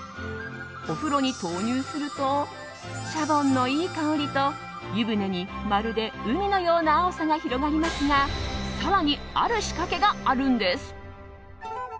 お風呂に投入するとシャボンのいい香りと湯船に、まるで海のような青さが広がりますが更に、ある仕掛けがあるんです。